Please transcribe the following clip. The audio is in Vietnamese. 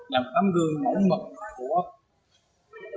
làm tấm gương mẫu mật của tấm gương mẫu có đất thi sinh